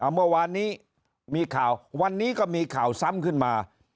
เมื่อวานนี้มีข่าววันนี้ก็มีข่าวซ้ำขึ้นมา